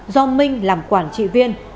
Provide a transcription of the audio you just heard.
do minh làm quản trị viên